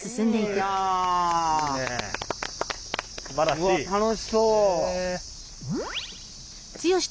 うわっ楽しそう。